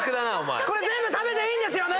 全部食べていいんですよね